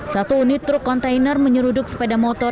satu unit truk kontainer menyeruduk sepeda motor